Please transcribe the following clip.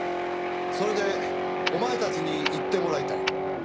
それでお前たちに行ってもらいたい。